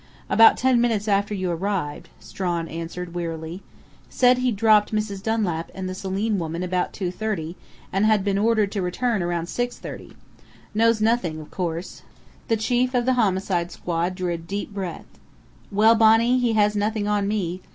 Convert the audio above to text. "About ten minutes after you arrived," Strawn answered wearily. "Said he'd dropped Mrs. Dunlap and the Selim woman at about 2:30 and had been ordered to return around 6:30.... Knows nothing, of course." The chief of the Homicide Squad drew a deep breath. "Well, Bonnie, he has nothing on me.